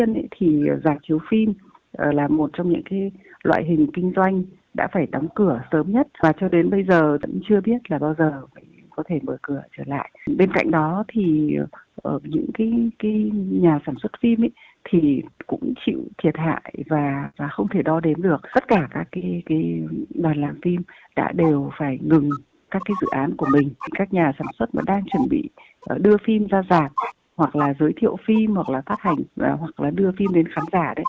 nhà sản xuất đang chuẩn bị đưa phim ra giảm hoặc là giới thiệu phim hoặc là phát hành hoặc là đưa phim đến khán giả